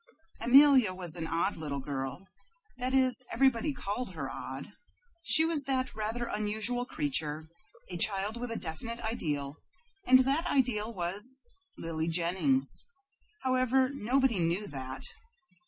Amelia was an odd little girl that is, everybody called her odd. She was that rather unusual creature, a child with a definite ideal; and that ideal was Lily Jennings. However, nobody knew that.